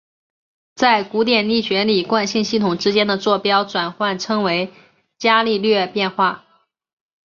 在古典力学里惯性系统之间的座标转换称为伽利略变换。